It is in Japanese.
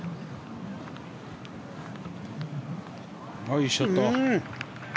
いいショット。